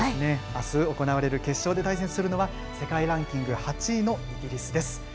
あす行われる決勝で対戦するのは、世界ランキング８位のイギリスです。